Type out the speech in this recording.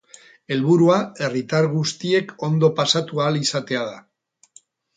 Helburua herritar guztiek ondo pasatu ahal izatea da.